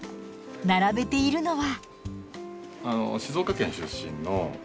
並べているのは。